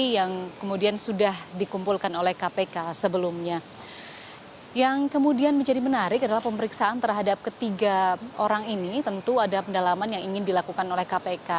yang kemudian menjadi menarik adalah pemeriksaan terhadap ketiga orang ini tentu ada pendalaman yang ingin dilakukan oleh kpk